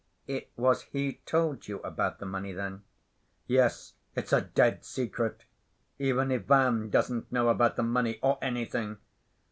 "It was he told you about the money, then?" "Yes. It's a dead secret. Even Ivan doesn't know about the money, or anything.